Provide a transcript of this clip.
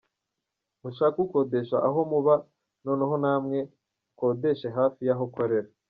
Mushake ukodesha aho muba noneho namwe ukodeshe hafi yaho ukorera.